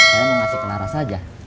saya mau kasih ke laras aja